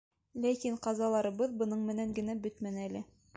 Ләкин ҡазаларыбыҙ бының менән генә бөтмәне әле.